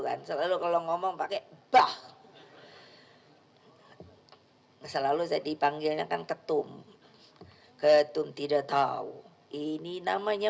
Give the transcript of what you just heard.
kan selalu kalau ngomong pakai bah selalu saya dipanggilnya kan ketum ketum tidak tahu ini namanya